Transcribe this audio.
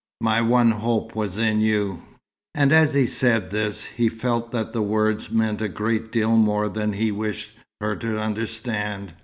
My one hope was in you." As he said this, he felt that the words meant a great deal more than he wished her to understand.